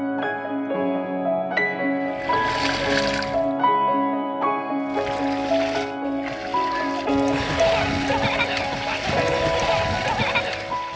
เพราะว่าพ่อเขาไม่มีมือหยิบหอยค่ะ